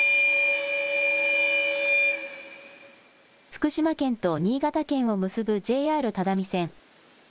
福島県と新潟県を結ぶＪＲ只見線。